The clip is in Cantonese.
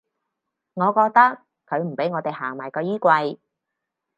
我覺得佢唔畀我地行埋個衣櫃